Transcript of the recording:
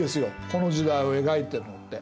この時代を描いているのって。